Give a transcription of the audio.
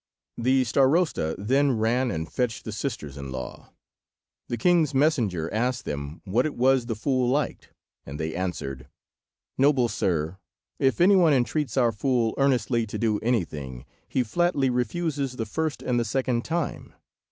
The Starosta then ran and fetched the sisters in law. The king's messenger asked them what it was the fool liked, and they answered— "Noble sir, if any one entreats our fool earnestly to do anything, he flatly refuses the first and the second time.